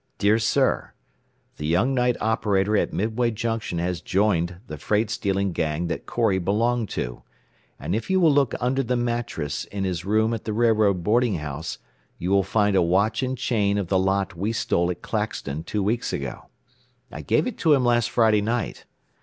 "Dear Sir: The young night operator at Midway Junction has joined the freight stealing gang that Corry belonged to, and if you will look under the mattress in his room at the railroad boarding house you will find a watch and chain of the lot we stole at Claxton two weeks ago. I gave it to him last Friday night.